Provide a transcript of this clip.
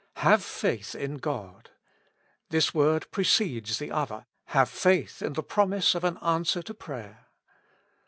Have faith in God : this word precedes the other, Have faith in the pro mise of an answer to prayer.